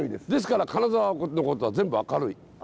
ですから金沢のことは全部明るい。